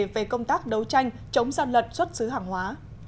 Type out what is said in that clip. về công tác đấu tranh chống gian lận xuất xứ hàng hóa